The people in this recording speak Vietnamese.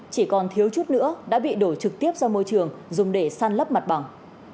chỉ còn thiếu chút nữa đã bị đổ trực tiếp ra môi trường dùng để săn lấp mặt bằng